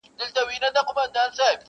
پېغلي څنگه د واده سندري وايي؛